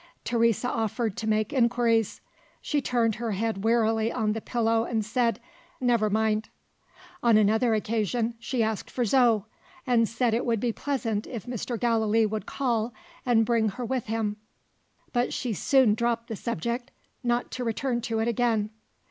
Teresa offered to make inquiries. She turned her head wearily on the pillow, and said, "Never mind!" On another occasion, she asked for Zo, and said it would be pleasant if Mr. Gallilee would call and bring her with him. But she soon dropped the subject, not to return to it again.